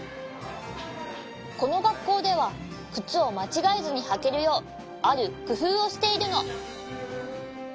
このがっこうではくつをまちがえずにはけるようあるくふうをしているの。